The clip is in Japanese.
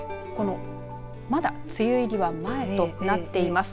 まだ梅雨入りは前となっています。